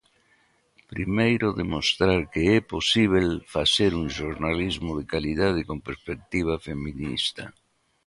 Primeiro demostrar que é posíbel facer un xornalismo de calidade con perspectiva feminista.